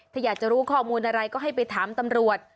ถ้าอยากจะรู้ข้อมูลอะไรก็ให้ไปถามตำรวจ